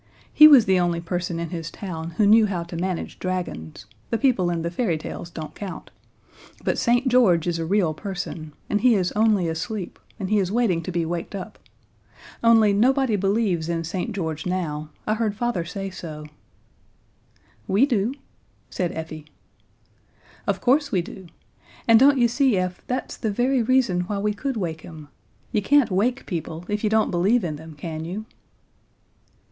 "He was the only person in his town who knew how to manage dragons; the people in the fairy tales don't count. But St. George is a real person, and he is only asleep, and he is waiting to be waked up. Only nobody believes in St. George now. I heard father say so." "We do," said Effie. "Of course we do. And don't you see, Ef, that's the very reason why we could wake him? You can't wake people if you don't believe in them, can you?"